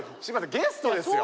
ゲストですから。